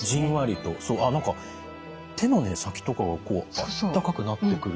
そうあっ何か手のね先とかがこうあったかくなってくる。